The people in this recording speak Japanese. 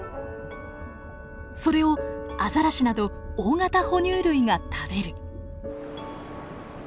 それをアザラシなど大型哺乳類が食べる。